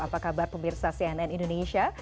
apa kabar pemirsa cnn indonesia